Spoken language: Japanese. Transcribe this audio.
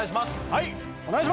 はい。